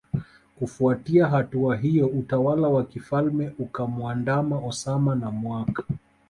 Kufuatia hatua hiyo utawala wa kifalme ukamuandama Osama na mwaka